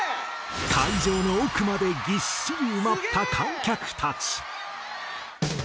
会場の奥までぎっしり埋まった観客たち。